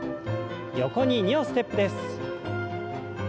横に２歩ステップです。